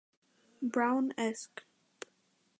Brown Esq.